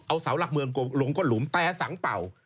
เอาเสาหลักเมืองลงก็หลุมแต่สังเป่า